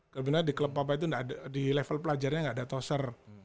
kemudian di klub papa itu di level pelajarnya nggak ada toser